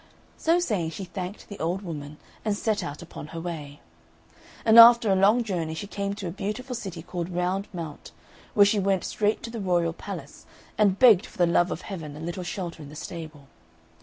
So saying, she thanked the old woman, and set out upon her way. And after a long journey she came to a beautiful city called Round Mount, where she went straight to the royal palace, and begged for the love of Heaven a little shelter in the stable.